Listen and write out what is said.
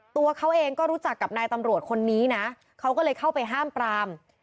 ตัวเขาเองก็รู้จักกับนายตำรวจคนนี้นะเขาก็เลยเข้าไปห้ามปราม